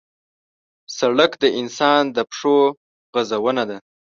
سړک د انسان د پښو غزونه ده.